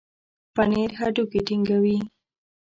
پنېر هډوکي ټينګوي.